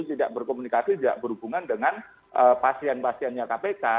tidak berkomunikasi tidak berhubungan dengan pasien pasiennya kpk